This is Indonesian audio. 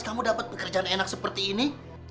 kamu dapat pekerjaan enak seperti ini